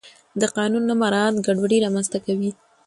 د قانون نه مراعت ګډوډي رامنځته کوي